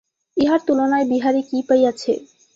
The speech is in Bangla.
ইহার তুলনায় বিহারী কী পাইয়াছে।